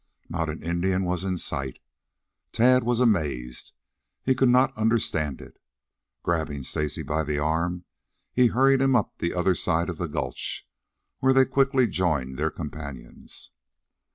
Not an Indian was in sight. Tad was amazed. He could not understand it. Grabbing Stacy by an arm he hurried him up the other side of the gulch, where they quickly joined their companions.